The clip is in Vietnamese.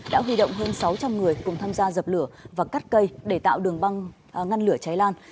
đã huy động hơn sáu trăm linh người cùng tham gia dập lửa và cắt cây để tạo đường băng ngăn lửa cháy lan